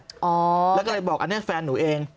แล้วก็เลยบอกอันนี้แฟนหนูเอง